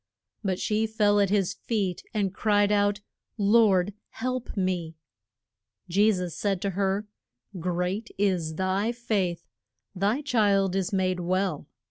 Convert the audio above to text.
But she fell at his feet, and cried out, Lord help me! [Illustration: SI DON.] Je sus said to her, Great is thy faith; thy child is made well.